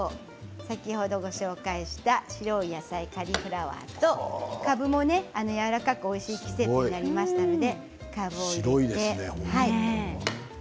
先ほど、ご紹介した白い野菜カリフラワーとかぶもやわらかくおいしい季節になりましたので。